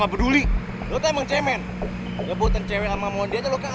sampai ketemu sama suami tercintanya iya kan adriana